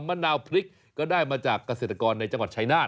มะนาวพริกก็ได้มาจากเกษตรกรในจังหวัดชายนาฏ